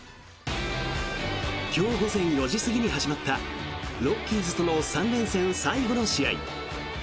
今日午前４時過ぎに始まったロッキーズとの３連戦最後の試合。